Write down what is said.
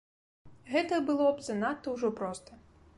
Гэта было б занадта ўжо проста.